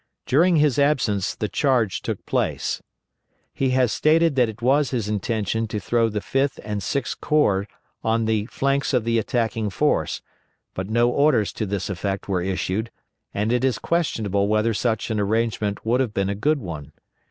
During his absence the charge took place. He has stated that it was his intention to throw the Fifth and Sixth Corps on the flanks of the attacking force, but no orders to this effect were issued, and it is questionable whether such an arrangement would have been a good one.